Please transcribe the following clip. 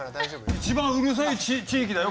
一番うるさい地域だよ